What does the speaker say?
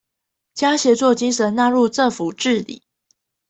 將協作精神納入政府治理